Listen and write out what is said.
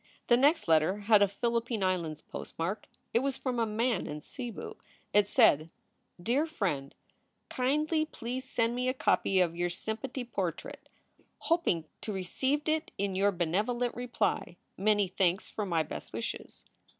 The next letter had a Philippine Islands postmark. It was from a man in Cebu. It said: "DEAR FRIEND, Kindly please send me a copy of your sympahty portrait. Hoping to received it your benevolent reply. Many thanks for my best wishes."